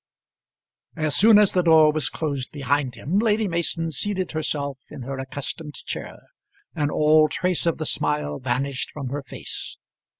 As soon as the door was closed behind him Lady Mason seated herself in her accustomed chair, and all trace of the smile vanished from her face.